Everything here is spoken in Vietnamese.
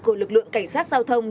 của lực lượng cảnh sát giao thông